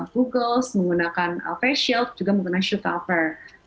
goggles menggunakan face shield juga menggunakan shoe cover